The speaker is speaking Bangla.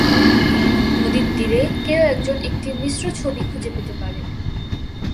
দানিয়ুব নদীর তীরে, কেউ একজন একটি মিশ্র ছবি খুঁজে পেতে পারে।